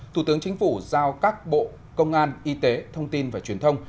thủ tướng chính phủ giao các bộ công an y tế thông tin và truyền thông